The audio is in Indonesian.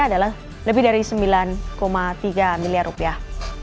adalah lebih dari sembilan tiga miliar rupiah